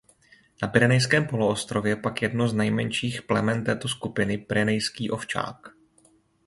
Na Pyrenejském poloostrově pak jedno z nejmenších plemen této skupiny Pyrenejský ovčák.